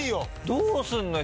どうすんのよ？